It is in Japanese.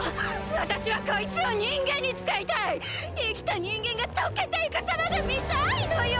私はこいつを人間に使いたい生きた人間が溶けていく様が見たいのよ